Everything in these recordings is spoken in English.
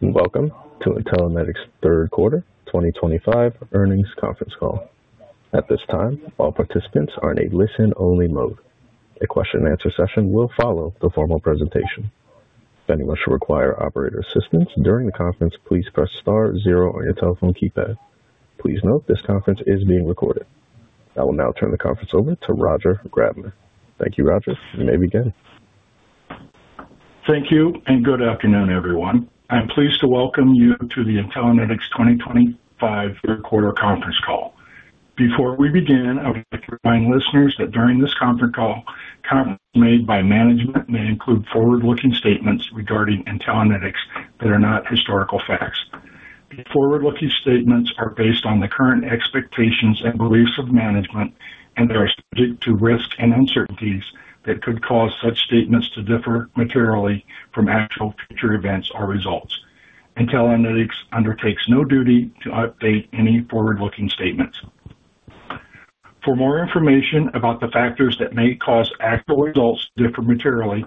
Welcome to Intellinetics third quarter 2025 earnings conference call. At this time, all participants are in a listen-only mode. A question-and-answer session will follow the formal presentation. If anyone should require operator assistance during the conference, please press star zero on your telephone keypad. Please note this conference is being recorded. I will now turn the conference over to Roger Grabner. Thank you, Roger. You may begin. Thank you and good afternoon, everyone. I'm pleased to welcome you to the Intellinetics 2025 third quarter conference call. Before we begin, I would like to remind listeners that during this conference call, comments made by management may include forward-looking statements regarding Intellinetics that are not historical facts. These forward-looking statements are based on the current expectations and beliefs of management, and they are subject to risks and uncertainties that could cause such statements to differ materially from actual future events or results. Intellinetics undertakes no duty to update any forward-looking statements. For more information about the factors that may cause actual results to differ materially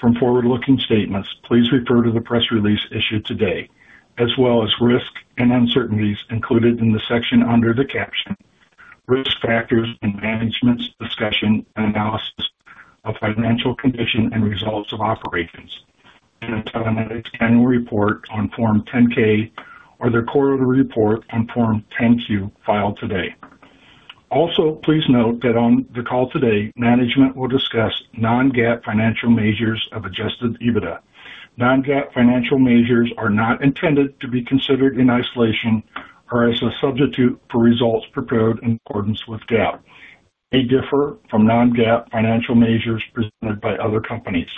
from forward-looking statements, please refer to the press release issued today, as well as risks and uncertainties included in the section under the caption, risk factors in management's discussion and analysis of financial condition and results of operations. Intellinetics' annual report on Form 10-K or their quarterly report on Form 10-Q filed today. Also, please note that on the call today, management will discuss non-GAAP financial measures of adjusted EBITDA. Non-GAAP financial measures are not intended to be considered in isolation or as a substitute for results prepared in accordance with GAAP. They differ from non-GAAP financial measures presented by other companies.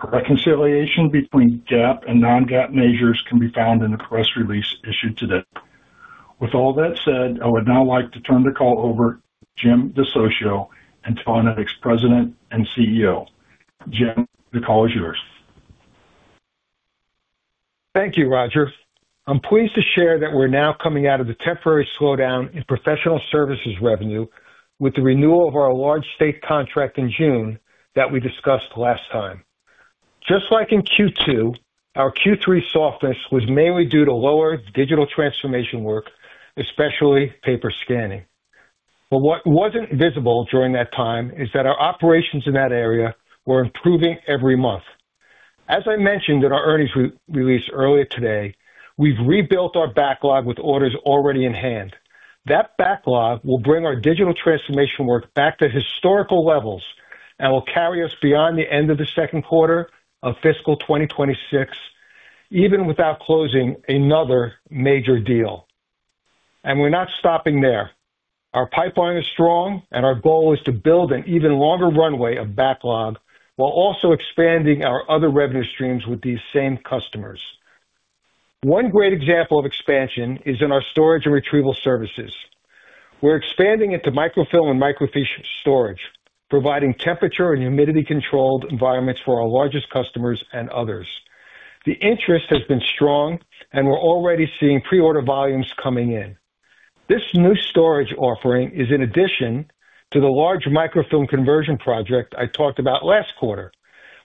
A reconciliation between GAAP and non-GAAP measures can be found in the press release issued today. With all that said, I would now like to turn the call over to Jim DeSocio, Intellinetics President and CEO. Jim, the call is yours. Thank you, Roger. I'm pleased to share that we're now coming out of the temporary slowdown in professional services revenue with the renewal of our large state contract in June that we discussed last time. Just like in Q2, our Q3 softness was mainly due to lower digital transformation work, especially paper scanning. What was not visible during that time is that our operations in that area were improving every month. As I mentioned in our earnings release earlier today, we've rebuilt our backlog with orders already in hand. That backlog will bring our digital transformation work back to historical levels and will carry us beyond the end of the second quarter of fiscal 2026, even without closing another major deal. We're not stopping there. Our pipeline is strong, and our goal is to build an even longer runway of backlog while also expanding our other revenue streams with these same customers. One great example of expansion is in our storage and retrieval services. We're expanding into microfilm and microfiche storage, providing temperature and humidity-controlled environments for our largest customers and others. The interest has been strong, and we're already seeing pre-order volumes coming in. This new storage offering is in addition to the large microfilm conversion project I talked about last quarter,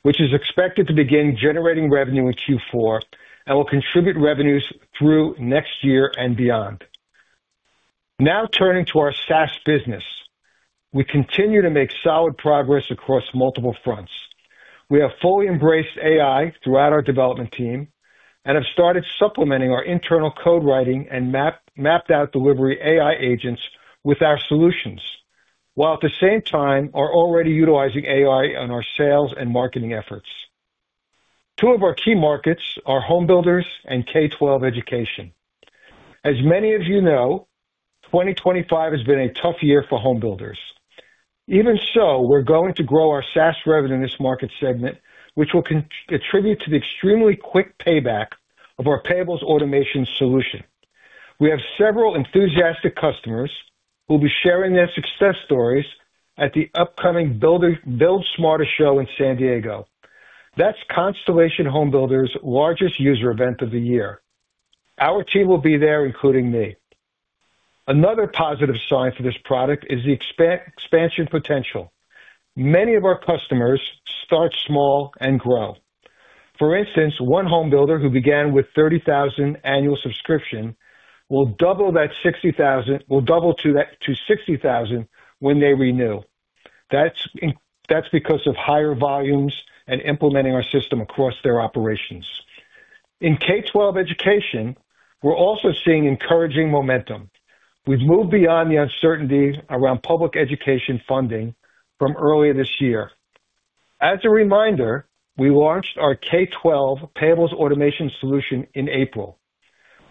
which is expected to begin generating revenue in Q4 and will contribute revenues through next year and beyond. Now turning to our SaaS business, we continue to make solid progress across multiple fronts. We have fully embraced AI throughout our development team and have started supplementing our internal code writing and mapped-out delivery AI agents with our solutions, while at the same time are already utilizing AI in our sales and marketing efforts. Two of our key markets are homebuilders and K-12 education. As many of you know, 2025 has been a tough year for homebuilders. Even so, we're going to grow our SaaS revenue in this market segment, which will contribute to the extremely quick payback of our Payables Automation solution. We have several enthusiastic customers who will be sharing their success stories at the upcoming Build Smarter show in San Diego. That's Constellation HomeBuilder Systems' largest user event of the year. Our team will be there, including me. Another positive sign for this product is the expansion potential. Many of our customers start small and grow. For instance, one homebuilder who began with a $30,000 annual subscription will double that to $60,000 when they renew. That is because of higher volumes and implementing our system across their operations. In K-12 education, we are also seeing encouraging momentum. We have moved beyond the uncertainty around public education funding from earlier this year. As a reminder, we launched our K-12 Payables Automation solution in April.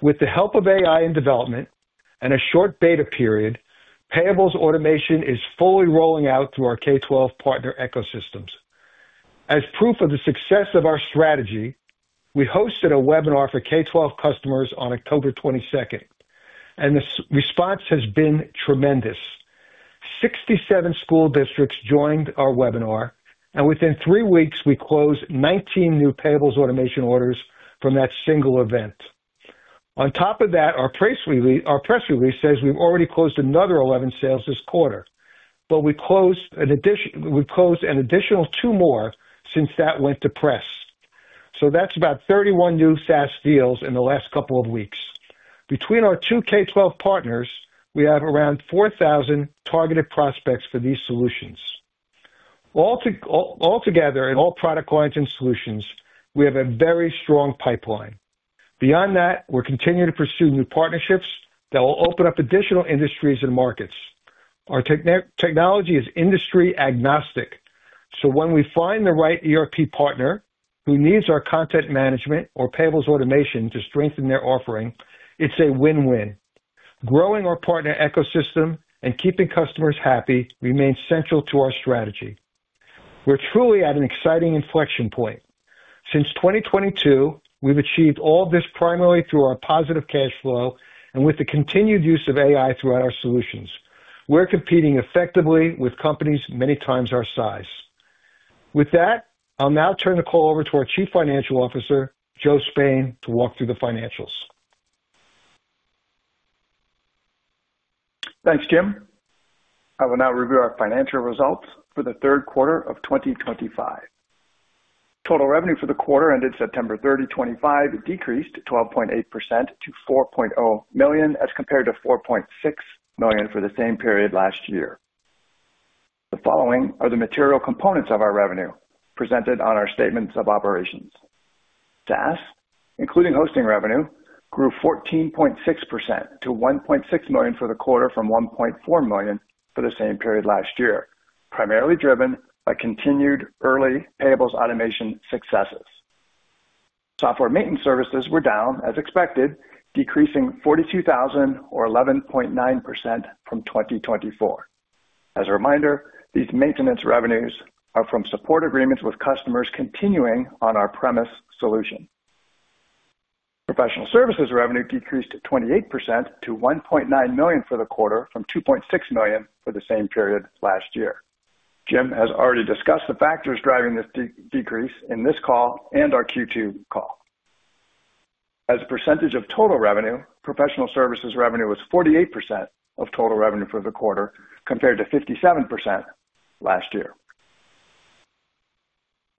With the help of AI in development and a short beta period, Payables Automation is fully rolling out through our K-12 partner ecosystems. As proof of the success of our strategy, we hosted a webinar for K-12 customers on October 22nd, and the response has been tremendous. Sixty-seven school districts joined our webinar, and within three weeks, we closed 19 new Payables Automation orders from that single event. On top of that, our press release says we've already closed another 11 sales this quarter, but we closed an additional two more since that went to press. So that's about 31 new SaaS deals in the last couple of weeks. Between our two K-12 partners, we have around 4,000 targeted prospects for these solutions. Altogether, in all product lines and solutions, we have a very strong pipeline. Beyond that, we're continuing to pursue new partnerships that will open up additional industries and markets. Our technology is industry agnostic, so when we find the right ERP partner who needs our content management or Payables Automation to strengthen their offering, it's a win-win. Growing our partner ecosystem and keeping customers happy remains central to our strategy. We're truly at an exciting inflection point. Since 2022, we've achieved all this primarily through our positive cash flow and with the continued use of AI throughout our solutions. We're competing effectively with companies many times our size. With that, I'll now turn the call over to our Chief Financial Officer, Joe Spain, to walk through the financials. Thanks, Jim. I will now review our financial results for the third quarter of 2025. Total revenue for the quarter ended September 30, 2025, decreased 12.8% to $4.0 million as compared to $4.6 million for the same period last year. The following are the material components of our revenue presented on our statements of operations. SaaS, including hosting revenue, grew 14.6% to $1.6 million for the quarter from $1.4 million for the same period last year, primarily driven by continued early Payables Automation successes. Software maintenance services were down as expected, decreasing $42,000 or 11.9% from 2024. As a reminder, these maintenance revenues are from support agreements with customers continuing on our premise solution. Professional services revenue decreased 28% to $1.9 million for the quarter from $2.6 million for the same period last year. Jim has already discussed the factors driving this decrease in this call and our Q2 call. As a percentage of total revenue, professional services revenue was 48% of total revenue for the quarter compared to 57% last year.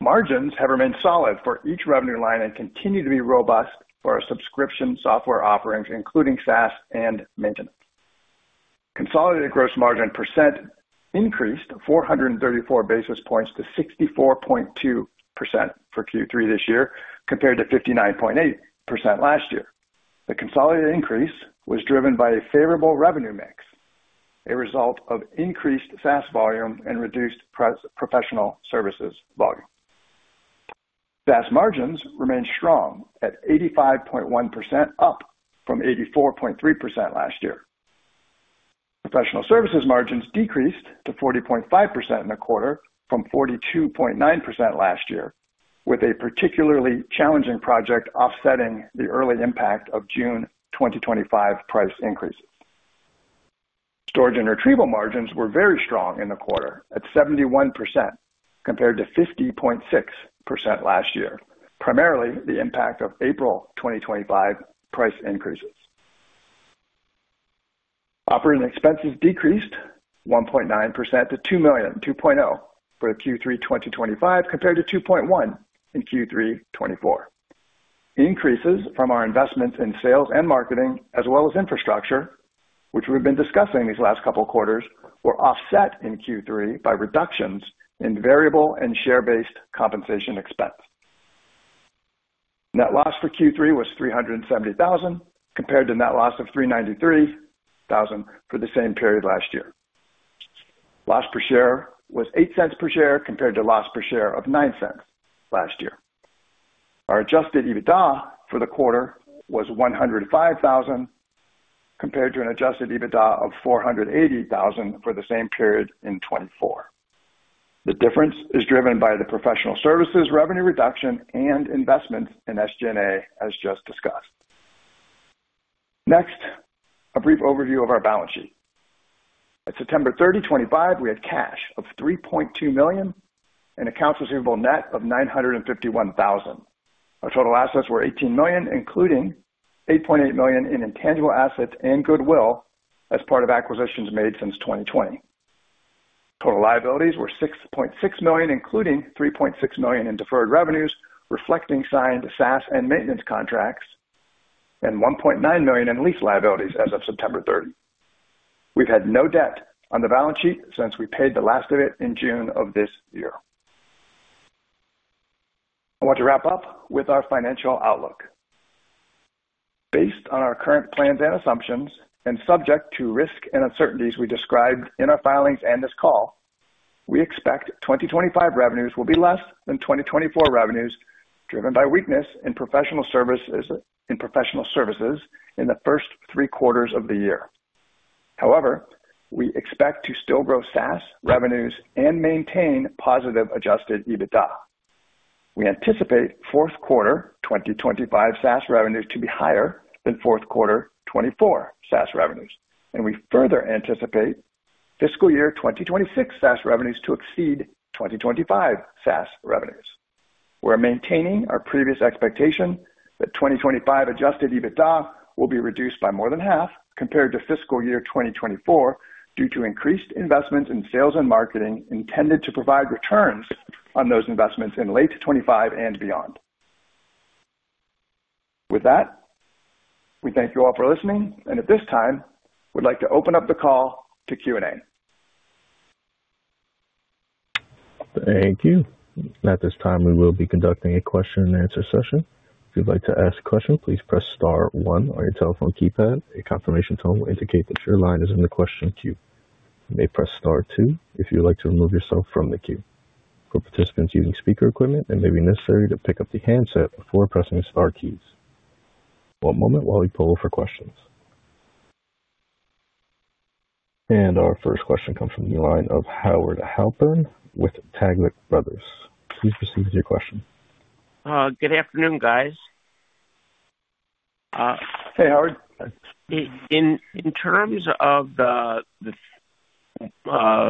Margins have remained solid for each revenue line and continue to be robust for our subscription software offerings, including SaaS and maintenance. Consolidated gross margin percent increased 434 basis points to 64.2% for Q3 this year compared to 59.8% last year. The consolidated increase was driven by a favorable revenue mix, a result of increased SaaS volume and reduced professional services volume. SaaS margins remained strong at 85.1%, up from 84.3% last year. Professional services margins decreased to 40.5% in the quarter from 42.9% last year, with a particularly challenging project offsetting the early impact of June 2025 price increases. Storage and retrieval margins were very strong in the quarter at 71% compared to 50.6% last year, primarily the impact of April 2025 price increases. Operating expenses decreased 1.9% to $2 million, $2.0 million for Q3 2025 compared to $2.1 million in Q3 2024. Increases from our investments in sales and marketing, as well as infrastructure, which we've been discussing these last couple of quarters, were offset in Q3 by reductions in variable and share-based compensation expense. Net loss for Q3 was $370,000 compared to net loss of $393,000 for the same period last year. Loss per share was $0.08 per share compared to loss per share of $0.09 last year. Our adjusted EBITDA for the quarter was $105,000 compared to an adjusted EBITDA of $480,000 for the same period in 2024. The difference is driven by the professional services revenue reduction and investments in SG&A, as just discussed. Next, a brief overview of our balance sheet. At September 30, 2025, we had cash of $3.2 million and accounts receivable net of $951,000. Our total assets were $18 million, including $8.8 million in intangible assets and goodwill as part of acquisitions made since 2020. Total liabilities were $6.6 million, including $3.6 million in deferred revenues, reflecting signed SaaS and maintenance contracts, and $1.9 million in lease liabilities as of September 30. We've had no debt on the balance sheet since we paid the last of it in June of this year. I want to wrap up with our financial outlook. Based on our current plans and assumptions and subject to risk and uncertainties we described in our filings and this call, we expect 2025 revenues will be less than 2024 revenues driven by weakness in professional services in the first three quarters of the year. However, we expect to still grow SaaS revenues and maintain positive adjusted EBITDA. We anticipate fourth quarter 2025 SaaS revenues to be higher than fourth quarter 2024 SaaS revenues, and we further anticipate fiscal year 2026 SaaS revenues to exceed 2025 SaaS revenues. We're maintaining our previous expectation that 2025 adjusted EBITDA will be reduced by more than half compared to fiscal year 2024 due to increased investments in sales and marketing intended to provide returns on those investments in late 2025 and beyond. With that, we thank you all for listening, and at this time, we'd like to open up the call to Q&A. Thank you. At this time, we will be conducting a question-and-answer session. If you'd like to ask a question, please press star one on your telephone keypad. A confirmation tone will indicate that your line is in the question queue. You may press star two if you'd like to remove yourself from the queue. For participants using speaker equipment, it may be necessary to pick up the handset before pressing the star keys. One moment while we pull for questions. Our first question comes from the line of Howard Halpern with Taglich Brothers. Please proceed with your question. Good afternoon, guys. Hey, Howard. In terms of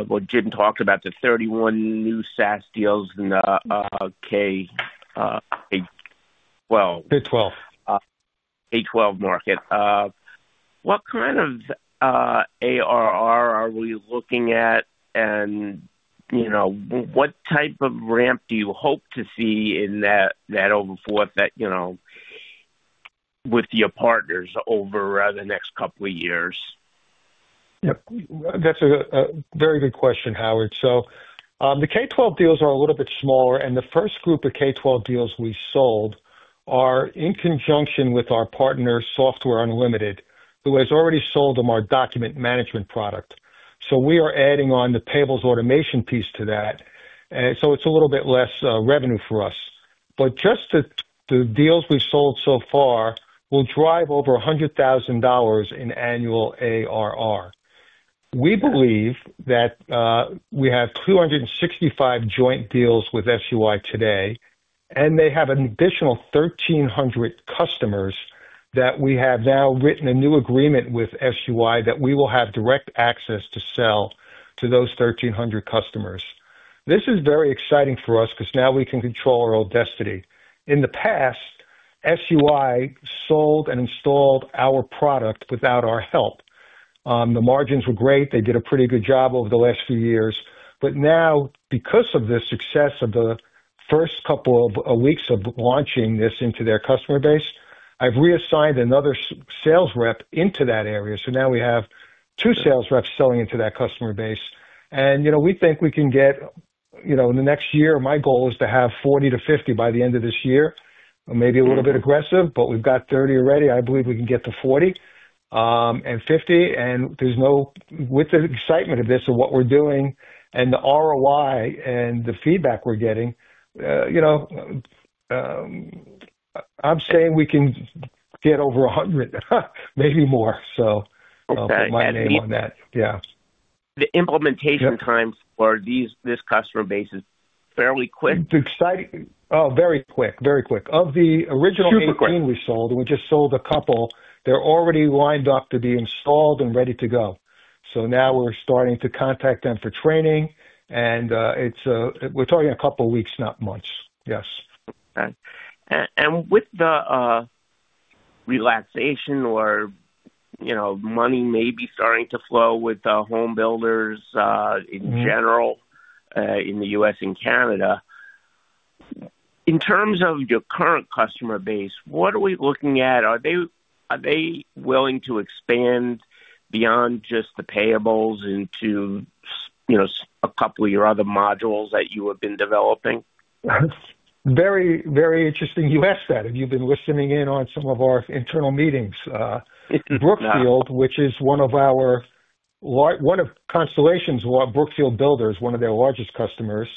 what Jim talked about, the 31 new SaaS deals in the K-12. K-12. K-12 market, what kind of ARR are we looking at, and what type of ramp do you hope to see in that over forth with your partners over the next couple of years? That's a very good question, Howard. The K-12 deals are a little bit smaller, and the first group of K-12 deals we sold are in conjunction with our partner, Software Unlimited, who has already sold them our document management product. We are adding on the Payables Automation piece to that, so it's a little bit less revenue for us. Just the deals we've sold so far will drive over $100,000 in annual ARR. We believe that we have 265 joint deals with SUI today, and they have an additional 1,300 customers that we have now written a new agreement with SUI that we will have direct access to sell to those 1,300 customers. This is very exciting for us because now we can control our own destiny. In the past, SUI sold and installed our product without our help. The margins were great. They did a pretty good job over the last few years. Now, because of the success of the first couple of weeks of launching this into their customer base, I've reassigned another sales rep into that area. Now we have two sales reps selling into that customer base. We think we can get in the next year, my goal is to have 40-50 by the end of this year, maybe a little bit aggressive, but we've got 30 already. I believe we can get to 40 and 50. With the excitement of this and what we're doing and the ROI and the feedback we're getting, I'm saying we can get over 100, maybe more. My name on that. Yeah. The implementation times for this customer base is fairly quick. Exciting. Oh, very quick, very quick. Of the original 18 we sold, and we just sold a couple, they're already lined up to be installed and ready to go. Now we're starting to contact them for training, and we're talking a couple of weeks, not months. Yes. Okay. With the relaxation or money maybe starting to flow with homebuilders in general in the U.S. and Canada, in terms of your current customer base, what are we looking at? Are they willing to expand beyond just the payables into a couple of your other modules that you have been developing? Very interesting. You asked that, and you've been listening in on some of our internal meetings. Brookfield, which is one of Constellation's Brookfield Builders, one of their largest customers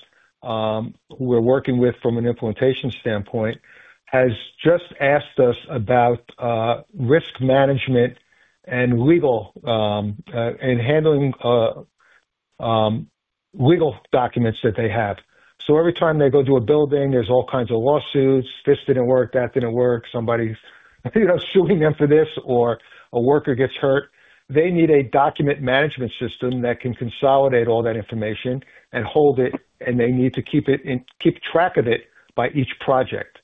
who we're working with from an implementation standpoint, has just asked us about risk management and legal and handling legal documents that they have. Every time they go to a building, there's all kinds of lawsuits. This didn't work, that didn't work. Somebody's suing them for this, or a worker gets hurt. They need a document management system that can consolidate all that information and hold it, and they need to keep track of it by each project.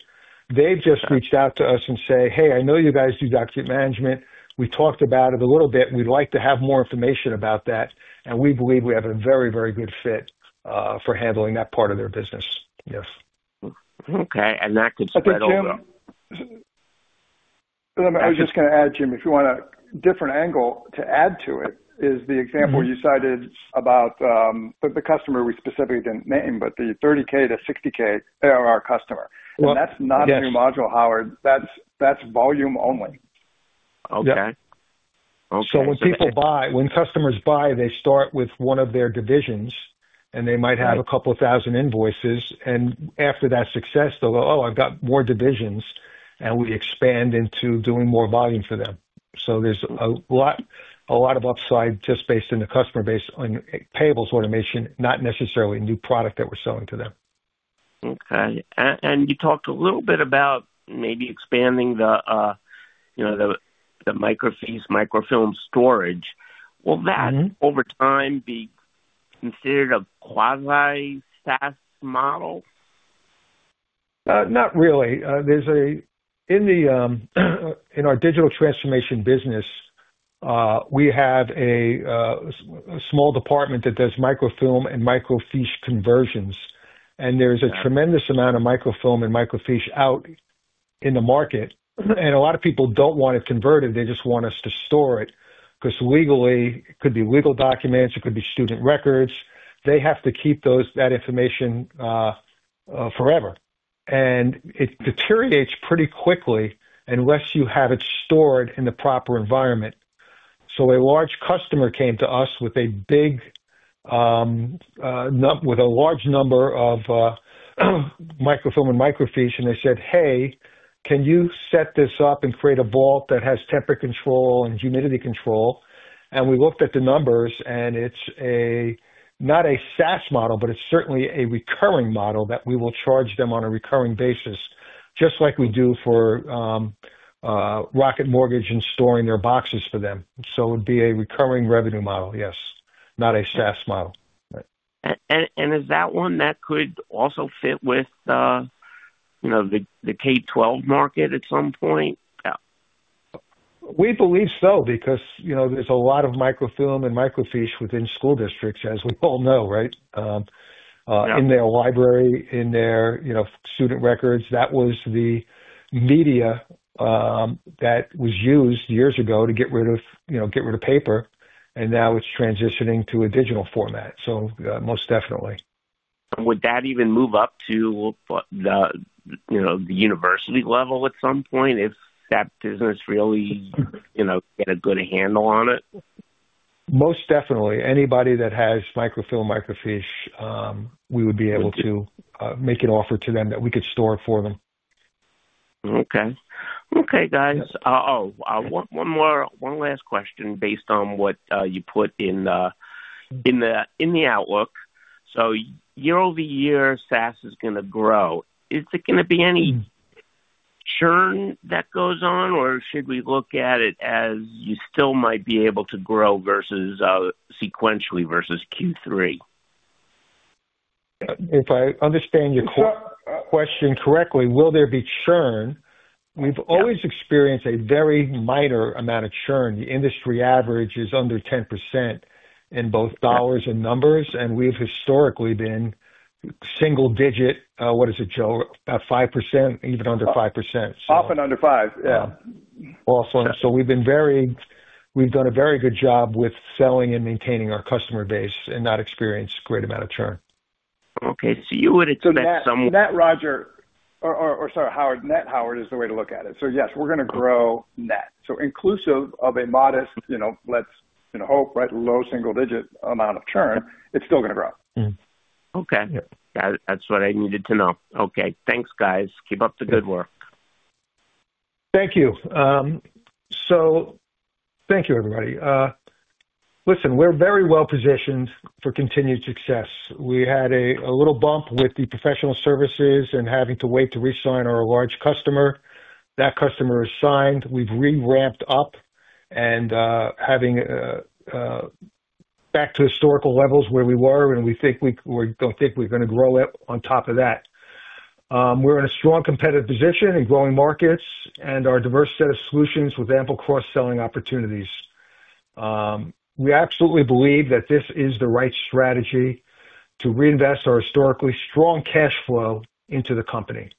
They've just reached out to us and say, "Hey, I know you guys do document management. We talked about it a little bit. We'd like to have more information about that. We believe we have a very, very good fit for handling that part of their business. Yes. Okay. That could spread over. I was just going to add, Jim, if you want a different angle to add to it, is the example you cited about the customer we specifically did not name, but the $30,000-$60,000 ARR customer. And that is not a new module, Howard. That is volume only. Okay. When customers buy, they start with one of their divisions, and they might have a couple of thousand invoices. After that success, they'll go, "Oh, I've got more divisions," and we expand into doing more volume for them. There is a lot of upside just based on the customer base on Payables Automation, not necessarily a new product that we're selling to them. Okay. You talked a little bit about maybe expanding the microfiche, microfilm storage. Will that, over time, be considered a quasi-SaaS model? Not really. In our digital transformation business, we have a small department that does microfilm and microfiche conversions, and there's a tremendous amount of microfilm and microfiche out in the market. A lot of people don't want it converted. They just want us to store it because legally, it could be legal documents. It could be student records. They have to keep that information forever. It deteriorates pretty quickly unless you have it stored in the proper environment. A large customer came to us with a large number of microfilm and microfiche, and they said, "Hey, can you set this up and create a vault that has temperature control and humidity control?" We looked at the numbers, and it's not a SaaS model, but it's certainly a recurring model that we will charge them on a recurring basis, just like we do for Rocket Mortgage in storing their boxes for them. It would be a recurring revenue model, yes. Not a SaaS model. Is that one that could also fit with the K-12 market at some point? We believe so because there's a lot of microfilm and microfiche within school districts, as we all know, right? In their library, in their student records. That was the media that was used years ago to get rid of paper, and now it's transitioning to a digital format. Most definitely. Would that even move up to the university level at some point if that business really had a good handle on it? Most definitely. Anybody that has microfilm, microfiche, we would be able to make an offer to them that we could store for them. Okay. Okay, guys. Oh, one last question based on what you put in the outlook. So year-over-year, SaaS is going to grow. Is it going to be any churn that goes on, or should we look at it as you still might be able to grow versus sequentially versus Q3? If I understand your question correctly, will there be churn? We've always experienced a very minor amount of churn. The industry average is under 10% in both dollars and numbers, and we've historically been single-digit, what is it, Joe, about 5%, even under 5%. Often under five, yeah. Also, we've done a very good job with selling and maintaining our customer base and not experienced a great amount of churn. Okay. So you would expect some. That, Roger, or sorry, Howard, net Howard is the way to look at it. Yes, we're going to grow net. Inclusive of a modest, let's hope, right, low single-digit amount of churn, it's still going to grow. Okay. That's what I needed to know. Okay. Thanks, guys. Keep up the good work. Thank you. Thank you, everybody. Listen, we're very well positioned for continued success. We had a little bump with the professional services and having to wait to resign our large customer. That customer is signed. We've re-ramped up and are back to historical levels where we were, and we think we're going to grow on top of that. We're in a strong competitive position in growing markets and our diverse set of solutions with ample cross-selling opportunities. We absolutely believe that this is the right strategy to reinvest our historically strong cash flow into the company,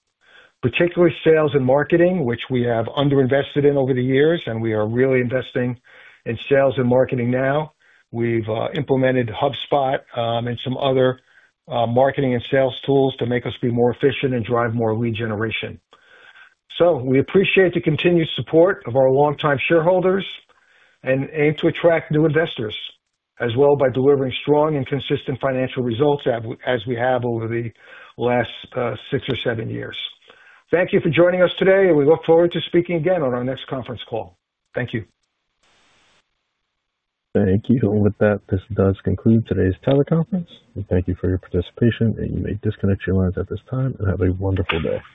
particularly sales and marketing, which we have underinvested in over the years, and we are really investing in sales and marketing now. We've implemented HubSpot and some other marketing and sales tools to make us be more efficient and drive more lead generation. We appreciate the continued support of our longtime shareholders and aim to attract new investors as well by delivering strong and consistent financial results as we have over the last six or seven years. Thank you for joining us today, and we look forward to speaking again on our next conference call. Thank you. Thank you. With that, this does conclude today's teleconference. We thank you for your participation, and you may disconnect your lines at this time, and have a wonderful day.